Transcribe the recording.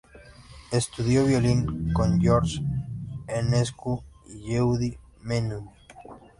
Estudió violín con George Enescu y Yehudi Menuhin.